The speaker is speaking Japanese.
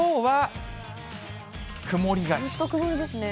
ずっと曇りですね。